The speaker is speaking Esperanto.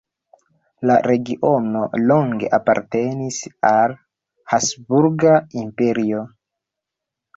La regiono longe apartenis al Habsburga Imperio.